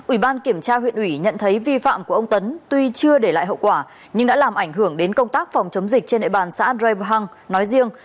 ủy ban kiểm tra huyện ủy nhận thấy vi phạm của ông tấn tuy chưa để lại hậu quả nhưng đã làm ảnh hưởng đến công tác phòng chống dịch trên địa bàn xã rebhang nói riêng